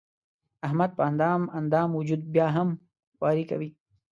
احمد په اندام اندام وجود بیا هم خواري کوي.